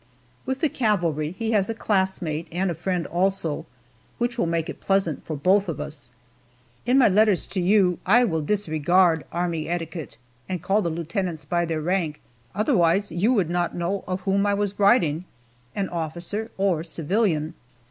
With the cavalry he has a classmate, and a friend, also, which will make it pleasant for both of us. In my letters to you I will disregard army etiquette, and call the lieutenants by their rank, otherwise you would not know of whom I was writing an officer or civilian.